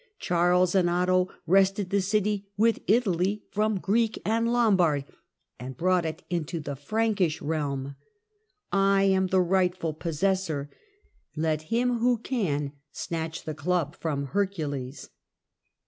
Charles and Otto wrested the city, with Italy, from Greek and Lombard, and brought it into the Prankish realm. I am the right ful possessor. Let him who can snatch the club from Hercules."